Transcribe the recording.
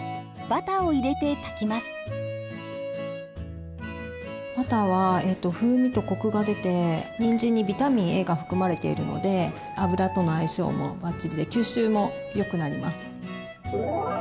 バターは風味とコクが出てにんじんにビタミンＡが含まれているので油との相性もバッチリで吸収もよくなります。